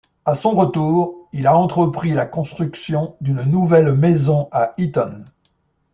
À son retour, il a entrepris la construction d'une nouvelle maison à Eaton.